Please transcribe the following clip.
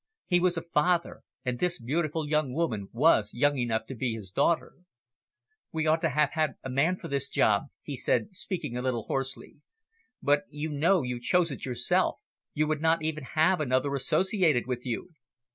He was a father, and this beautiful young woman was young enough to be his daughter. "We ought to have had a man for this job," he said, speaking a little hoarsely. "But you know you chose it yourself; you would not even have another associated with you."